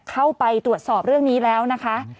เข้าไปตรวจสอบเรื่องนี้แล้วนะคะ